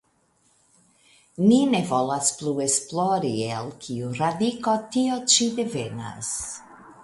Ni ne volas plu esplori, el kiu radiko tio ĉi devenas.